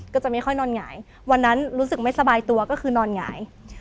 ก็จะไม่ค่อยนอนหงายวันนั้นรู้สึกไม่สบายตัวก็คือนอนหงาย